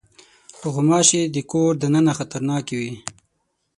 غوماشې د کور دننه خطرناکې دي.